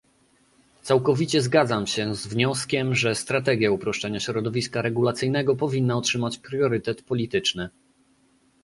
Całkowicie zgadzam się z wnioskiem, że strategia uproszczenia środowiska regulacyjnego powinna otrzymać priorytet polityczny